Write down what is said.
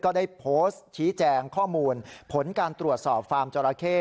ก็ได้โพสต์ชี้แจงข้อมูลผลการตรวจสอบฟาร์มจราเข้